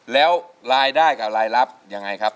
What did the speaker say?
แล้วรายได้กับรายลับยังไงครับ